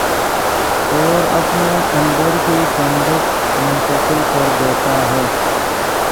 اور اپنے اندر کی ٹھنڈک منتقل کر دیتا ہے،